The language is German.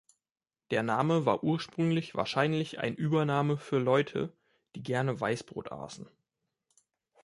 Der Name war ursprünglich wahrscheinlich ein Übername für Leute, die gerne Weißbrot aßen.